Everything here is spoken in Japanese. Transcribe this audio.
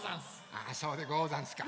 あそうでござんすか。